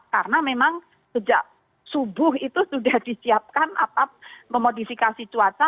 karena memang sejak subuh itu sudah disiapkan memodifikasi cuaca